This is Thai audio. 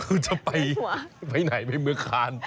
คือจะไปไหนไปเมืองคาน